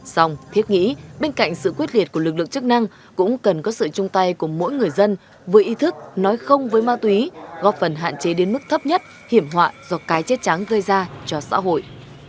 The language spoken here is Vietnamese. xong thiết nghĩ bên cạnh sự quyết liệt của lực lượng chức năng cũng cần có sự chung tay của mỗi người dân với ý thức nói không với ma túy góp phần hạn chế đến mức thấp nhất hiểm họa do cái chết trắng gây ra cho xã hội